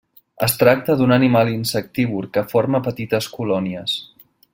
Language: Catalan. Es tracta d'un animal insectívor que forma petites colònies.